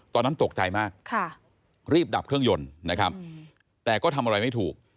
ตอนนั้นตกใจมากรีบดับเครื่องยนต์นะครับแต่ก็ทำอะไรไม่ถูก